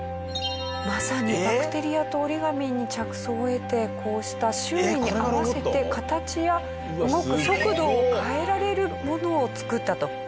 まさにバクテリアと折り紙に着想を得てこうした種類に合わせて形や動く速度を変えられるものを作ったと。